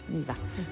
うん。